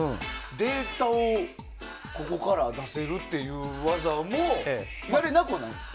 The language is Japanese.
データをここから出せるっていう技もやれなくないんですか。